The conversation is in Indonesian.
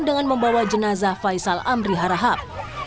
dengan membawa jenazah faisal amri harahap